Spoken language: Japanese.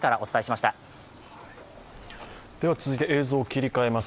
続いて映像を切り替えます。